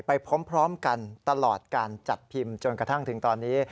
ไปพร้อมกันตลอดการจัดพิมพ์จนกระทั่งถึงตอนนี้